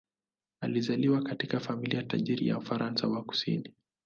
Alizaliwa katika familia tajiri ya Ufaransa ya kusini.